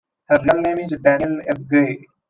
Her real name is Danielle Ebguy.